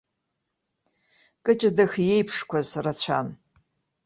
Кыҷа дахьиеиԥшқәаз рацәан.